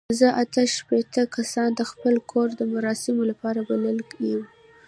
زه اته شپېته کسان د خپل کور د مراسمو لپاره بللي یم.